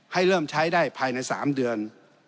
ให้เริ่มใช้ได้ภายใน๓เดือน